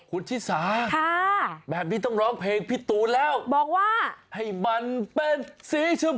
คุณชิสาแบบนี้ต้องร้องเพลงพี่ตูนแล้วบอกว่าให้มันเป็นสีชมพ